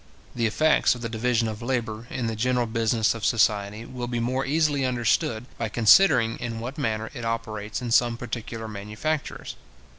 The effects of the division of labour, in the general business of society, will be more easily understood, by considering in what manner it operates in some particular manufactures.